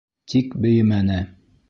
Тик бейемәне.